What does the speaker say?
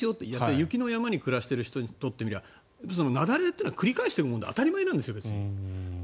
雪の山に暮らしている人にとってみれば雪崩というのは繰り返しているものである種当たり前のものなんです。